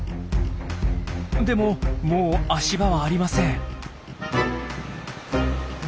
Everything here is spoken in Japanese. でももう足場はありません。